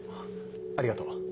ありがとう。